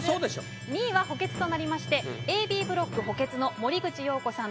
２位は補欠となりましてＡ・Ｂブロック補欠の森口瑤子さん